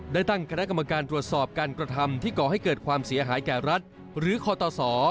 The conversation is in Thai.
ได้ตั้งคณะกรรมการตรวจสอบการกระทำที่ก่อให้เกิดความเสียหายแก่รัฐหรือคอตส